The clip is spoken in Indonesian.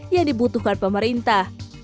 yang dibutuhkan pemerintah